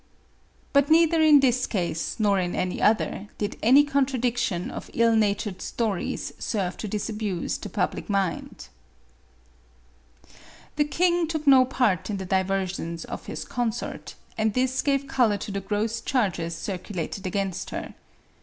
But neither in this case nor in any other, did any contradiction of ill natured stories serve to disabuse the public mind. The king took no part in the diversions of his con sort, and this gave color to the gross charges circulated against her.